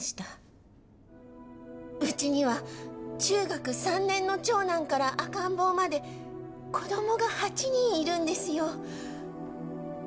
うちには中学３年の長男から赤ん坊まで子どもが８人いるんですよ。